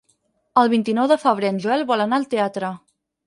El vint-i-nou de febrer en Joel vol anar al teatre.